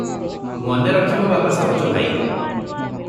ମନେ ରଖିବ ବାବା ସରୋଜ ଭାଇ